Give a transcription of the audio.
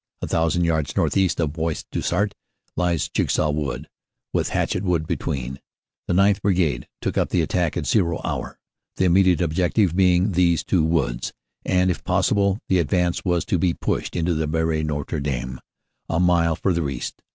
A thousand yards northeast of Bois du Sart lies Jigsaw Wood, with Hatchett Wood between. The 9th. Brigade took up the attack at zero hour, the immediate objective being these two woods, and if possible the advance was to be pushed on into Boiry Notre Dame, a mile further east.